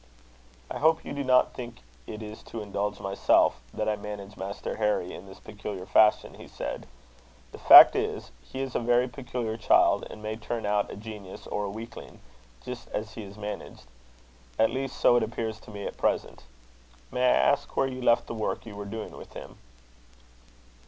"I hope you do not think it is to indulge myself that I manage Master Harry in this peculiar fashion," he said. "The fact is, he is a very peculiar child, and may turn out a genius or a weakling, just as he is managed. At least so it appears to me at present. May I ask where you left the work you were doing with him?"